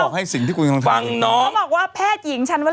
คุณพูดให้มันชัดนะ